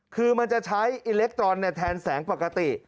คือมันจะใช้อิเล็กทรอนแทนแสงปกติ